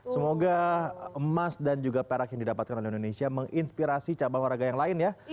semoga emas dan juga perak yang didapatkan oleh indonesia menginspirasi cabang olahraga yang lain ya